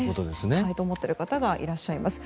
したいと思っている方がいらっしゃいます。